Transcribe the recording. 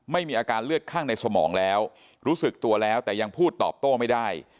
มีอาการเลือดข้างในสมองแล้วรู้สึกตัวแล้วแต่ยังพูดตอบโต้ไม่ได้